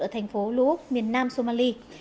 ở thành phố lũ úc miền nam somali